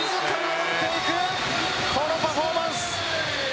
このパフォーマンス。